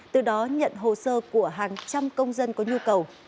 từ đó nhận hồ sơ của hàng trăm công dân có nhu cầu